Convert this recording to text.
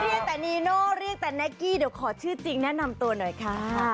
เรียกแต่นีโน่เรียกแต่แน็กกี้เดี๋ยวขอชื่อจริงแนะนำตัวหน่อยค่ะ